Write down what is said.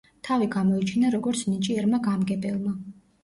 თავი გამოიჩინა როგორც ნიჭიერმა გამგებელმა.